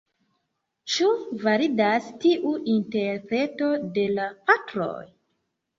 Ĉu validas tiu interpreto de la Patroj?